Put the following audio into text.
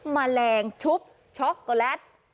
แมลงชุบช็อกโกแลต